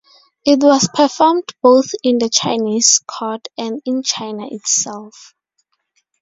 It was performed both in the Chinese court and in China itself.